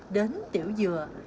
đến tiểu dừa